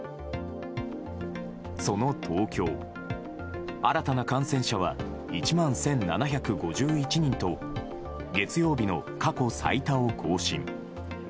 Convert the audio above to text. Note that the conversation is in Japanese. その東京、新たな感染者は１万１７５１人と月曜日の過去最多を更新。